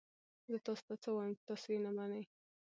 زه تاسو ته څه ووایم چې تاسو یې نه منئ؟